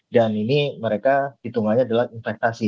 dan ini mereka hitungannya adalah investasi